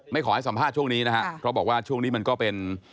ขอให้สัมภาษณ์ช่วงนี้นะฮะเพราะบอกว่าช่วงนี้มันก็เป็น